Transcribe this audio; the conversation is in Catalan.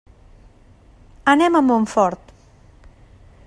Anem a Montfort.